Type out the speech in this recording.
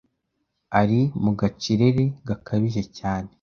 ari mu gacerere gakabije cyane